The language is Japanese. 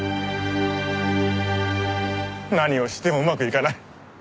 何をしてもうまくいかない。